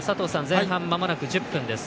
前半まもなく１０分です。